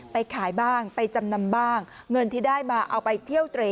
ขายบ้างไปจำนำบ้างเงินที่ได้มาเอาไปเที่ยวเตร